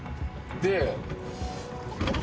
で。